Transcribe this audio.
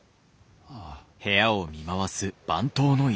ああ。